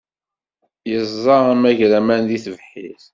Yeẓẓa amagraman deg tebḥirt.